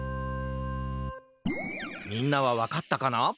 みんなはわかったかな？